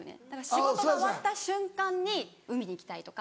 仕事が終わった瞬間に海に行きたいとか。